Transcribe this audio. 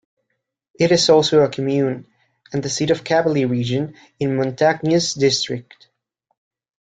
It is also a commune and the seat of Cavally Region in Montagnes District.